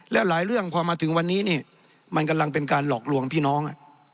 แล้วหลายเรื่องพอมาถึงวันนี้นี่มันกำลังเป็นการหลอกลวงพี่น้อง